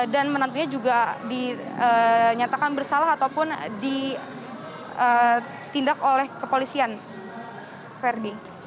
dan menantunya juga dinyatakan bersalah ataupun ditindak oleh kepolisian ferdi